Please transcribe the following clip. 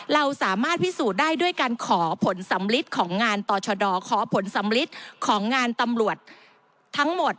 เราสามารถพิสูจน์ได้ด้วยการขอผลสำลิดของงานต่อชะดอขอผลสำลิดของงานตำรวจทั้งหมด